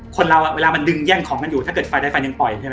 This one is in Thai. คนเราอ่ะเวลามันดึงแย่งของกันอยู่ถ้าเกิดฟายด้วยไฟทรงปว่าจะปล่อยใช่ไหม